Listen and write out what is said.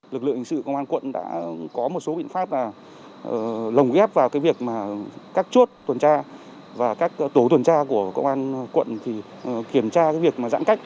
lực lượng hình sự công an quận đã có một số biện pháp là lồng ghép vào cái việc mà các chốt tuần tra và các tổ tuần tra của công an quận kiểm tra việc giãn cách